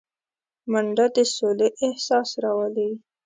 منډه د سولې احساس راولي